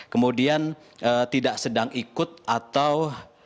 kemudian tidak sedang ikut atau